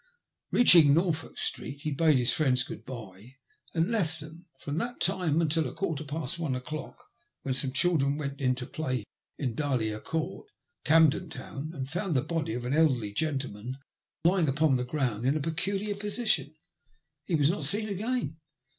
Beaching Norfolk Street he bade his friends ' good bye,' and left them. From that time until a quarter past one o'clock, when some children went in to play in Dahlia Court, Camden Town, and found the body of an elderly gentleman lying upon the ground in a peculiar position, he was not seen again.